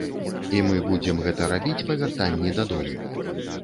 І мы будзем гэта рабіць па вяртанні дадому.